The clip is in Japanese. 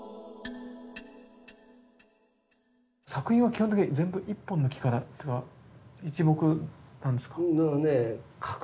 作品は基本的に全部一本の木からっていうか一木なんですか？